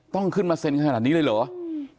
ต้องขึ้นมาเซ็นขนาดนี้เลยเหรอ